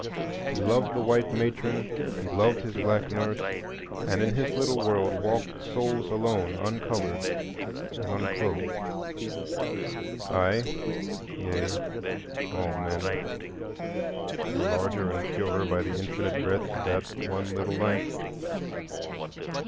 He loved the white matron, he loved his black nurse; and in his little world walked souls alone, uncolored and unclothed. I—yea, all men—are larger and purer by the infinite breadth of that one little life.